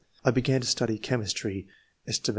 I began to study chemistry set.